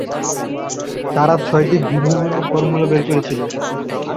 তারা ছয়টি ভিন্ন ভিন্ন ফর্মুলা বের করেছিল।